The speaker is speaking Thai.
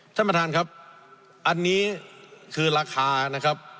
ท่านประธานครับอันนี้คือราคานะครับ